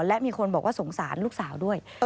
และมีคนบอกว่าสงสารลูกสาวด้วย